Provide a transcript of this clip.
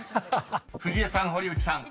［藤江さん堀内さん